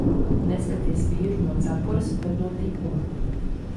Neskaities vīru no cepures, bet no tikuma.